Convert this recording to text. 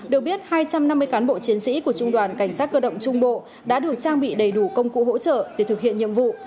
được biết hai trăm năm mươi cán bộ chiến sĩ của trung đoàn cảnh sát cơ động trung bộ đã được trang bị đầy đủ công cụ hỗ trợ để thực hiện nhiệm vụ